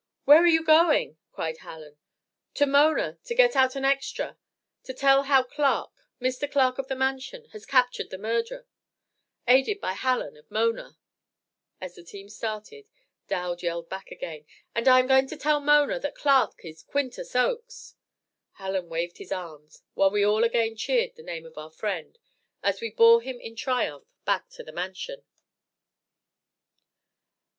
"Where are you going?" cried Hallen. "To Mona to get out an extra to tell how Clark, Mr. Clark of the Mansion, has captured the murderer, aided by Hallen of Mona." As the team started, Dowd yelled back again: "And I am going to tell Mona that Clark is QUINTUS OAKES." Hallen waved his arms, while we all again cheered the name of our friend, as we bore him in triumph back to the Mansion.